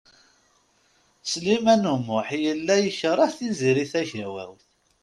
Sliman U Muḥ yella yekreh Tiziri Tagawawt.